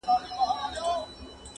ستا د هجران په تبه پروت یم مړ به سمه.!